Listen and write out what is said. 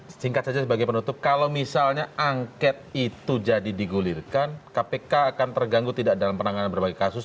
singkat saja sebagai penutup kalau misalnya angket itu jadi digulirkan kpk akan terganggu tidak dalam penanganan berbagai kasus